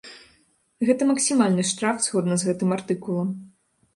Гэта максімальны штраф згодна з гэтым артыкулам.